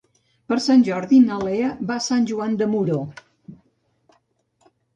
Per Sant Jordi na Lea va a Sant Joan de Moró.